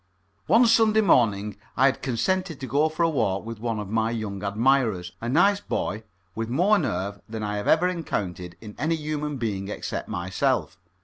One Sunday morning I had consented to go for a walk with one of my young admirers a nice boy, with more nerve than I have ever encountered in any human being except myself.